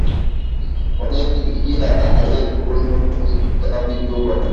অনেকে লিখিয়া তাঁহাদের প্রশ্ন উপস্থাপিত করেন।